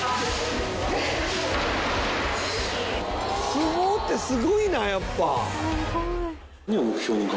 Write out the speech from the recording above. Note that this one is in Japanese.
相撲ってすごいなやっぱ。